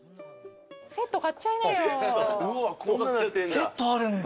セットあるんだ。